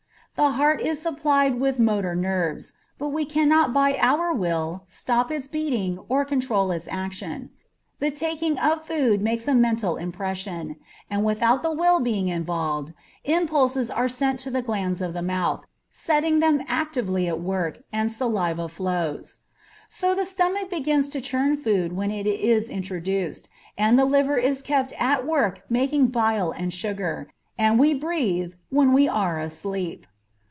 The heart is supplied with motor nerves, but we cannot by our will stop its beating or control its action. The taking of food makes a mental impression, and without the will being involved, impulses are sent to the glands of the mouth, setting them actively at work, and saliva flows. So the stomach begins to churn food when it is introduced, and the liver is kept at work making bile and sugar, and we breathe when we are asleep.